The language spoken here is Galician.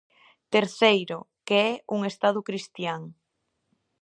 Terceiro, que é un Estado Cristián.